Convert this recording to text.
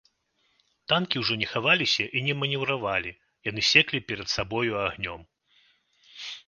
Танкі ўжо не хаваліся і не манеўравалі, яны секлі перад сабою агнём.